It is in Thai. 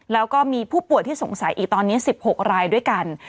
แล้วก็มีผู้ป่วยที่สงสัยอีกตอนนี้๑๖รายด้วยกัน